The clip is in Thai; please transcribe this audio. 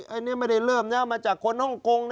อันนี้ไม่ได้เริ่มนะมาจากคนฮ่องกงนะ